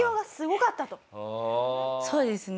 そうですね。